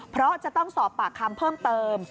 เพราะจะต้องสอบปากคำเพิ่มเติม